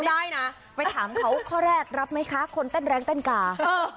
ให้ถามเค้าว่าข้อแรกรับมั้ยคะคนแต้นแรงแต้นก๋า